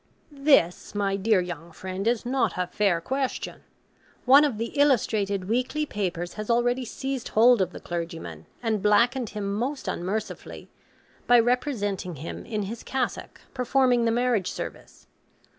This, my dear young friend, is not a fair question. One of the illustrated weekly papers has already seized hold of the clergyman, and blackened him most unmercifully, by representing him in his cassock performing the marriage service.